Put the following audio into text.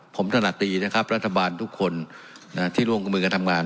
ผมถนัดดีนะครับรัฐบาลทุกคนที่ร่วมกับมือกันทำงาน